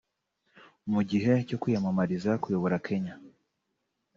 Mu gihe cyo kwiyamamariza kuyobora Kenya